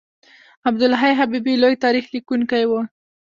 عبدالحی حبیبي لوی تاریخ لیکونکی و.